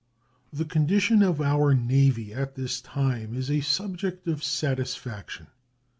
The condition of our Navy at this time is a subject of satisfaction.